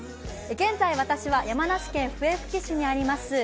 現在、私は山梨県笛吹市にあります